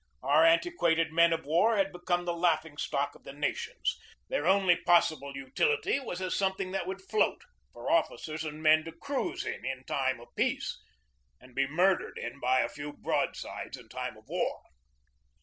Our antiquated men of war had become the laughing stock of the nations. Their only possible utility was as something that would float for officers and men to cruise in in time of peace and be murdered in by a few broadsides in time of war.